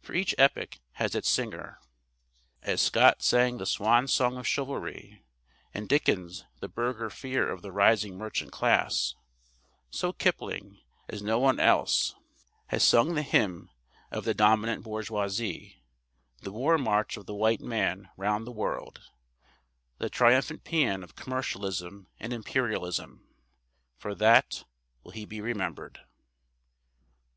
For each epoch has its singer. As Scott sang the swan song of chivalry and Dickens the burgher fear of the rising merchant class, so Kipling, as no one else, has sung the hymn of the dominant bourgeoisie, the war march of the white man round the world, the triumphant paean of commercialism and imperialism. For that will he be remembered.